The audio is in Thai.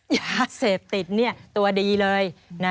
อย่าเสพติดเนี่ยตัวดีเลย